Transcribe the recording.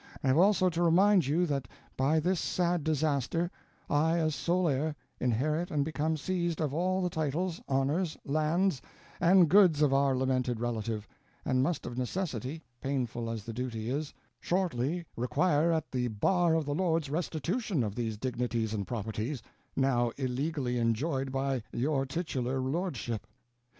I have also to remind you that by this sad disaster I as sole heir, inherit and become seized of all the titles, honors, lands, and goods of our lamented relative, and must of necessity, painful as the duty is, shortly require at the bar of the Lords restitution of these dignities and properties, now illegally enjoyed by your titular lordship.